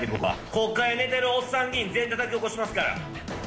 国会で寝てるおっさん議員、全員たたき起こしますから。